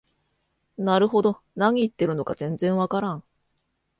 なるほど、何言ってるのか全然わからん